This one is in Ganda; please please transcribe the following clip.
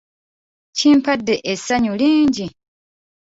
Kimpadde essanyu lingi